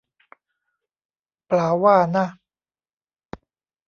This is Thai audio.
เปล่าว่านะ